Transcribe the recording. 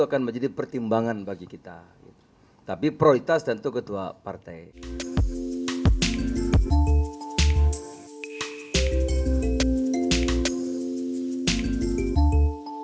akan menjadi pertimbangan bagi kita tapi prioritas tentu ketua partai